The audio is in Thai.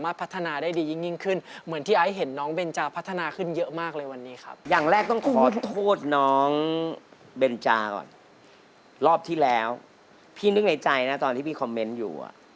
รอบที่แล้วพี่นึกในใจนะตอนที่พี่คอมเมนต์อยู่